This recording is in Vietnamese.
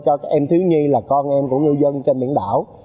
cho các em thiếu nhi là con em của ngư dân trên biển đảo